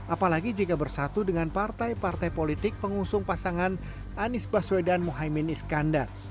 apalagi jika bersatu dengan partai partai politik pengusung pasangan anies baswedan muhaymin iskandar